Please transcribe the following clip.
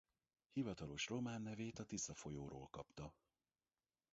Hivatalos román nevét a Tisza folyóról kapta.